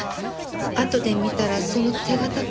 あとで見たらその手形消えてて。